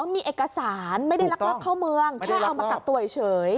มีเอกสารไม่ได้ลักลอบเข้าเมืองแค่เอามากักตัวเฉย